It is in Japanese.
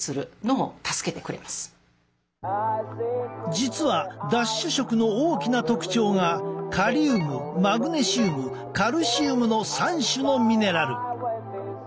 実はダッシュ食の大きな特徴がカリウムマグネシウムカルシウムの３種のミネラル。